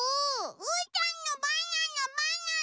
うーたんのバナナバナナ！